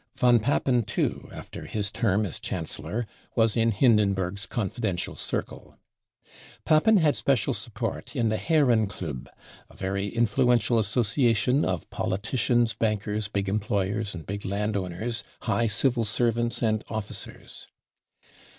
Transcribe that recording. Von Papen too, after his term as Chancellor, was in Hindenburg's confidential circle. Papen had special sup port in the Herrenklub , a very influential association" of politicians, bankers, big employers and big landowners, " THE REFICHSTAG IS IN FLAMES !" 45 ' 1 high civil servants mnd officers.